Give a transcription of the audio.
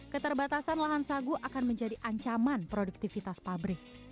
keterbatasan lahan sagu akan menjadi ancaman produktivitas pabrik